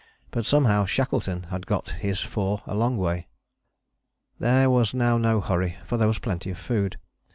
But somehow Shackleton had got his four a long way. There was now no hurry, for there was plenty of food.